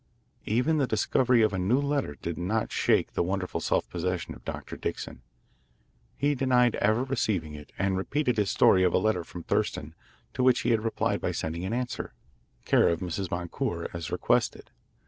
Even the discovery of the new letter did not shake the wonderful self possession of Dr. Dixon. He denied ever having received it and repeated his story of a letter from Thurston to which he had replied by sending an answer, care of Mrs. Boncour, as requested.